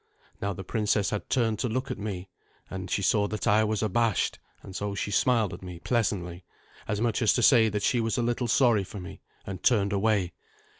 Now the princess had turned to look at me, and she saw that I was abashed, and so she smiled at me pleasantly, as much as to say that she was a little sorry for me, and turned away.